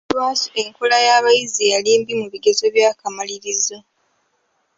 Lwaki enkola y'abayizi yali mbi mu bigezo eby'akamalirizo?